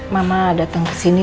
mama dateng kesini